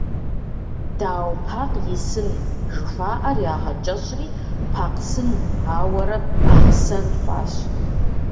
«Дау Пакъ и сын» жыхуаӏэр ягъэкӏэщӏри, Пакъсын, ауэрэ Бахъсэн хъуащ.